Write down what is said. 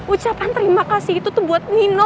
ucapan terima kasih itu tuh buat nino